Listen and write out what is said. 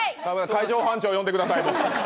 海上保安庁を呼んでください。